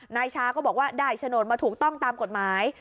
นายชาก็บอกว่าได้โฉนดมาถูกต้องตามกฎหมาย